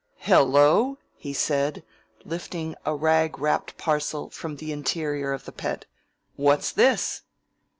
"Hello!" he said, lifting a rag wrapped parcel from the interior of the Pet. "What's this?"